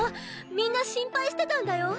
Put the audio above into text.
みんな心配してたんだよ。